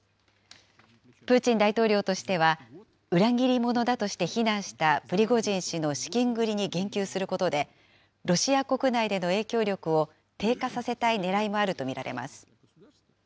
プーチン大統領としては、裏切り者だとして非難したプリゴジン氏の資金繰りに言及することで、ロシア国内での影響力を低下させたいねらいもあると見られます。